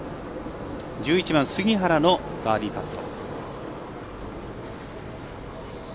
１１番、杉原のバーディーパット。